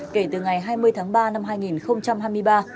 kể từ ngày hai mươi tháng ba năm hai nghìn hai mươi ba